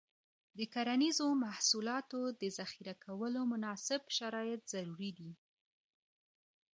د کرنیزو محصولاتو د ذخیره کولو مناسب شرایط ضروري دي.